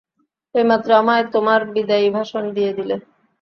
এইমাত্র আমায় তোমার বিদায়ী ভাষণ দিয়ে দিলে।